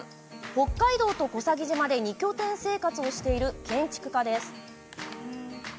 北海道と小佐木島で２拠点生活をしている建築家です。